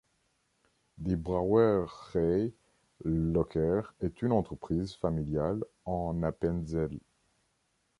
Die Brauerei Locher est une entreprise familiale en Appenzell.